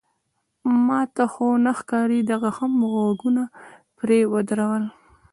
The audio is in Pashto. ما ته خو نه ښکاري، ده هم غوږونه پرې ودرول.